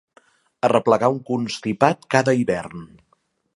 Arreplegar un constipat cada hivern.